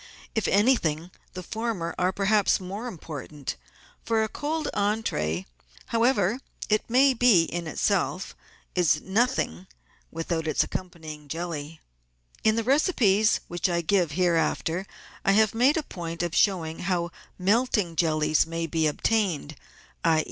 If anything, the former are perhaps more important, for a cold entree — however perfect it may be in itself — is nothing without its accompanying jelly. In the recipes which I give hereafter I have made a point of showing how melting jellies may be obtained, i.